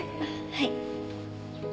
はい。